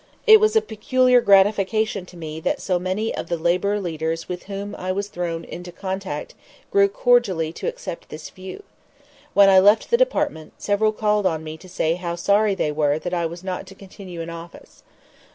It was a peculiar gratification to me that so many of the labor leaders with whom I was thrown in contact grew cordially to accept this view. When I left the Department, several called upon me to say how sorry they were that I was not to continue in office.